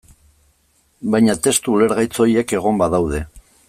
Baina testu ulergaitz horiek egon badaude.